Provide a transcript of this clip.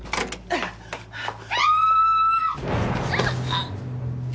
あっ。